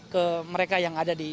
ke mereka yang ada di